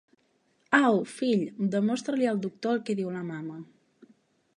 Au, fill, demostra-li al doctor el que diu la mama.